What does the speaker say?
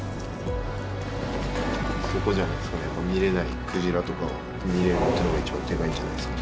そこじゃないですかね見れない鯨とかを見れるっていうのが一番でかいんじゃないですか。